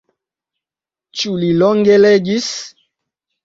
Ĉu li longe legis?